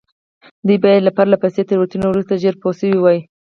دوی باید له پرله پسې تېروتنو وروسته ژر پوه شوي وای.